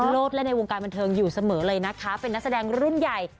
โลดเล่นในวงการบันเทิงอยู่เสมอเลยนะคะเป็นนักแสดงรุ่นใหญ่